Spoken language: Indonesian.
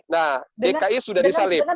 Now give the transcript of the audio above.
nah dki sudah diselip